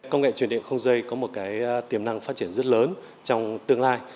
công nghệ truyền điện không dây có một cái tiềm năng phát triển rất lớn trong tương lai